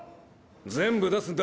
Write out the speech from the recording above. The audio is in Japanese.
全部出すんだ。